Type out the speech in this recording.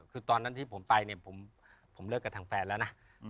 คือตอนนั้นที่ผมไปเนี่ยผมเลิกกับทางแฟนแล้วนะ